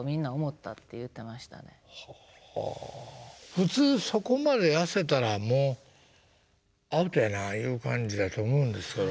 普通そこまで痩せたらもうアウトやないう感じやと思うんですけど。